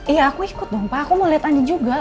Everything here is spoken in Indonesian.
iya aku ikut dong pak aku mau lihat andi juga